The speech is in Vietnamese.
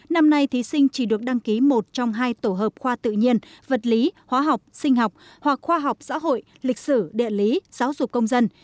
năm nay thí sinh chỉ được đăng ký một trong hai tổ hợp khoa tự nhiên vật lý hóa học sinh học hoặc khoa học xã hội lịch sử địa lý giáo dục công dân